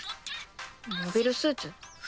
モビルスーツ？